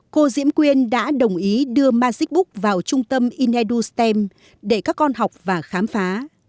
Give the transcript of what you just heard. cô diễm quyên đã đồng ý đưa magicbook vào trung tâm inneru stem để các con học và khám phá